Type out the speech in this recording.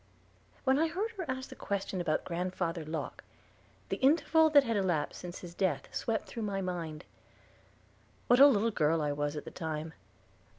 When I heard her ask the question about Grandfather Locke, the interval that had elapsed since his death swept through my mind. What a little girl I was at the time!